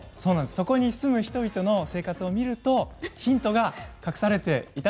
そこに住む人々の生活を見るとヒントが隠されていました。